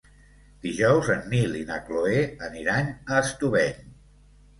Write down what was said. Dijous en Nil i na Cloè aniran a Estubeny.